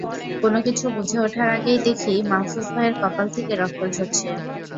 কোনো কিছু বুঝে ওঠার আগেই দেখি, মাহফুজ ভাইয়ের কপাল থেকে রক্ত ঝরছে।